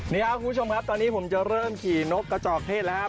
นี่ครับคุณผู้ชมครับตอนนี้ผมจะเริ่มขี่นกกระจอกเทศแล้วครับ